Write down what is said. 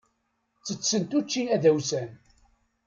Ttettent učči adawsan.